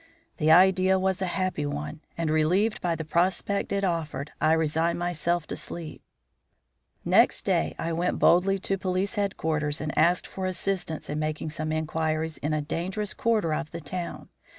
The idea was a happy one, and, relieved by the prospect it offered, I resigned myself to sleep. Next day I went boldly to police headquarters and asked for assistance in making some inquiries in a dangerous quarter of the town.